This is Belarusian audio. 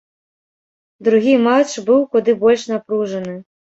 Другі матч быў куды больш напружаны.